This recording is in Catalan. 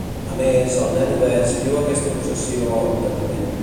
A més, el nen obès viu aquesta obsessió amb patiment.